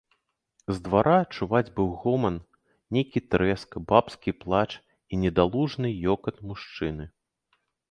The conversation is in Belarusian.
З двара чуваць быў гоман, нейкі трэск, бабскі плач і недалужны ёкат мужчыны.